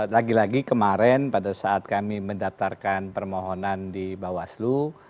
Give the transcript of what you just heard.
lagi lagi kemarin pada saat kami mendatarkan permohonan di bawaslu